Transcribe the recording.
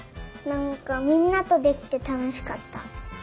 なんかみんなとできてたのしかった。